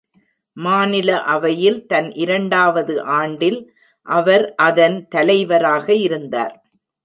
மாநில அவையில் தன் இரண்டாவது ஆண்டில், அவர் அதன் தலைவராக இருந்தார்.